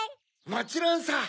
もちろんさ！